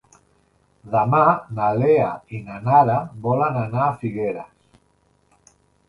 Demà na Lea i na Nara volen anar a Figueres.